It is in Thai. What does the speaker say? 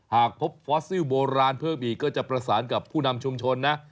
หากพบฟอสซิลโบราณเพิ่มอีกก็จะประสานกับผู้นำชุมชนนะ